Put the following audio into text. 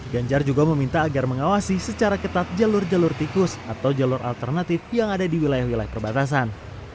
ganjar juga meminta agar mengawasi secara ketat jalur jalur tikus atau jalur alternatif yang ada di wilayah wilayah perbatasan